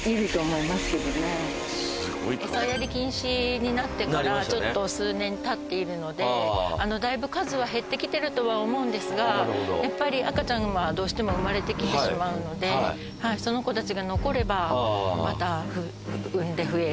餌やり禁止になってから数年たっているのでだいぶ数は減ってきてるとは思うんですがやっぱり赤ちゃんはどうしても産まれてきてしまうのでその子たちが残れば。